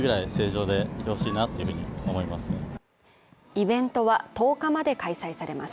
イベントは１０日まで開催されます。